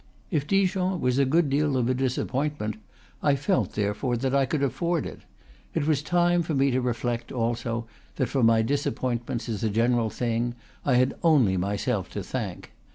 If Dijon was a good deal of a disap pointment, I felt, therefore, that I could afford it. It was time for me to reflect, also, that for my disap pointments, as a general thing, I had only myself to thank.